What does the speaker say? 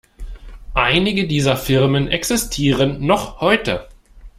Einige dieser Firmen existieren noch heute.